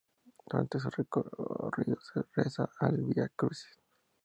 Durante su recorrido se reza el Vía-Crucis.